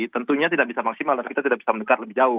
tentunya tidak bisa maksimal dan kita tidak bisa mendekat lebih jauh